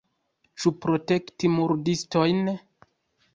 Ĉu protekti murdistojn?